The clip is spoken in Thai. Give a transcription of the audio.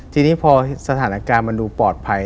ทีนี้พอสถานการณ์มันดูปลอดภัย